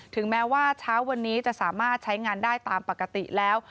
ถึงแม้ว่าเช้าวันนี้จะสามารถใช้งานได้ตามปกติแล้ว